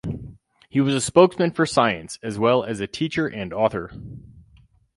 He was a spokesman for science, as well as a teacher and author.